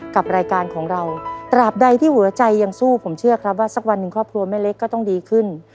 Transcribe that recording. กับรายการของเราตราบใดที่หัวใจยังสู้ผมเชื่อครับว่าสักวันหนึ่งครอบครัวแม่เล็กก็ต้องดีขึ้น